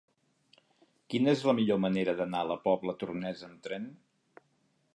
Quina és la millor manera d'anar a la Pobla Tornesa amb tren?